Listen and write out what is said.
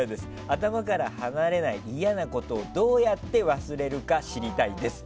頭から離れない嫌なことをどうやって忘れるか知りたいです。